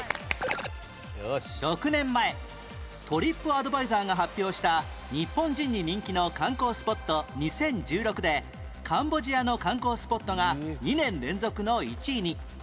６年前トリップアドバイザーが発表した「日本人に人気の観光スポット２０１６」でカンボジアの観光スポットが２年連続の１位に